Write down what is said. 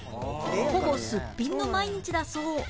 ほぼすっぴんの毎日だそう